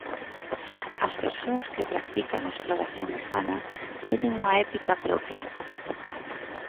As persoas que practican exploración urbana teñen unha ética propia.